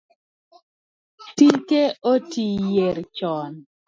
Tike oti yier chon